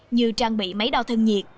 như trang bị máy đo thân nhiệt